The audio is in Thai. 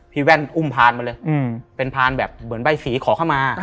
แว่นอุ้มพานมาเลยเป็นพานแบบเหมือนใบสีขอเข้ามา